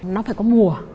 nó phải có mùa